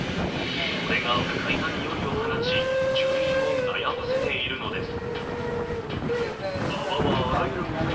これが不快な臭いを放ち住民を悩ませているのです。